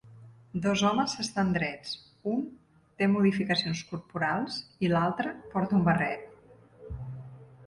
Dos homes s'estan drets, un té modificacions corporals i l'altre porta un barret.